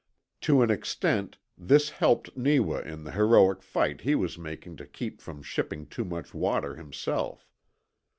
To an extent this helped Neewa in the heroic fight he was making to keep from shipping too much water himself.